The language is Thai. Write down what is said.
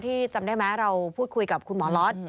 จำได้ไหมเราพูดคุยกับคุณหมอล็อต